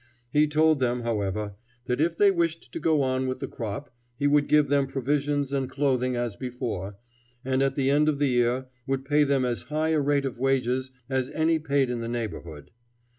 He told them, however, that if they wished to go on with the crop, he would give them provisions and clothing as before, and at the end of the year would pay them as high a rate of wages as any paid in the neighborhood.